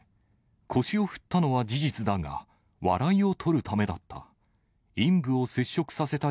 腰を振ったのは事実だが、笑いを取るためだった。